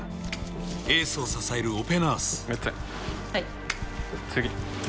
エースを支えるオペナースメッツェン